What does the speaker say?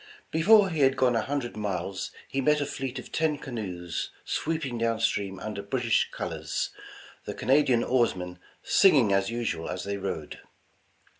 Before he had gone a hundred miles he met a fleet of ten canoes sweeping down stream under British col ors, the Canadian oarsmen singing as usual as they rowed.